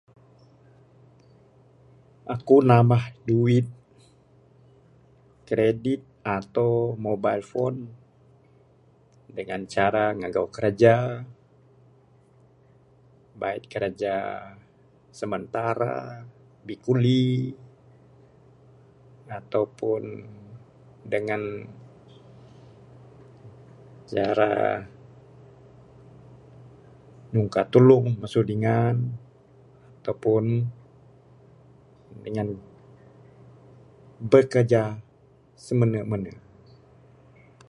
Aku nambah duit kredit atau mobile fon dengan cara megau kerja baik kerja sementara bikuli ataupun dengan cara nyungka tulung mesu dingan ataupun dengan berkerja semine mine.